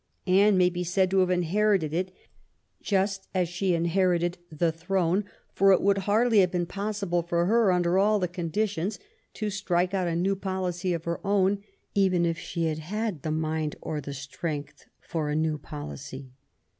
Anne may be said to have inherited it just as she inherited the throne, for it would hardly have been possible for her under all the conditions to strike out a new policy of her own even if she had had the mind or the strength for a new policy.